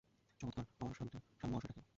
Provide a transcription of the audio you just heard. চমৎকার, আমার স্বামী মহাশয়টা কোথায়?